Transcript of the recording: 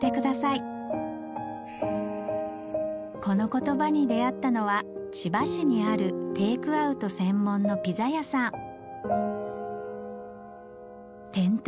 このコトバに出合ったのは千葉市にあるテイクアウト専門のピザ屋さん